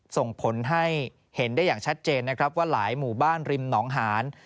ส่งผลให้เห็นได้อย่างชัดเจนนะครับว่าหลายหมู่บ้านริมหนองหาน